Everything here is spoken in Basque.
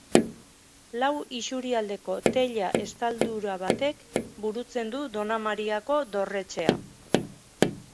Lau isurialdeko teila-estaldura batek burutzen du Donamariako dorretxea.